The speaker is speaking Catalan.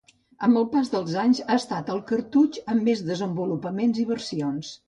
Amb el pas dels anys ha estat el cartutx amb més desenvolupaments i versions.